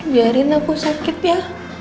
biarin aku sakit ya